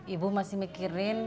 ibu masih mikirin